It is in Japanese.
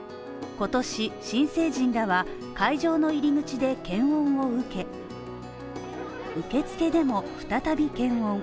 今年、新成人らは会場の入り口で検温を受け受付でも再び検温。